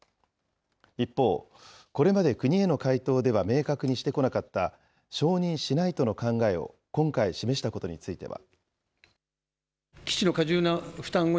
一方、これまで国への回答では明確にしてこなかった承認しないとの考えを今回示したことについては。